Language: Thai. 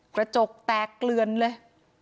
กระจกแตกเกลือนเลย